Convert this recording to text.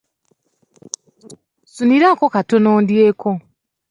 Nsuniraako katono ndyeko.